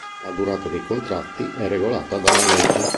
La durata dei contratti è regolata dalla legge.